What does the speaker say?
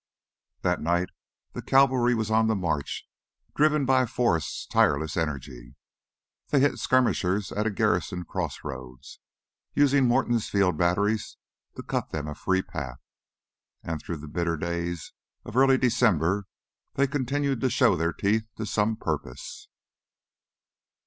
That night the cavalry was on the march, driven by Forrest's tireless energy. They hit skirmishers at a garrisoned crossroads, using Morton's field batteries to cut them a free path. And through the bitter days of early December they continued to show their teeth to some purpose.